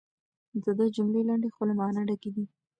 د ده جملې لنډې خو له مانا ډکې دي.